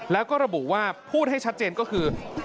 แล้วก็ระบุว่าพูดให้ชัดเจนก็คือ